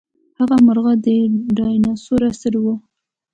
هغه مرغه د ډاینسور عصر وو.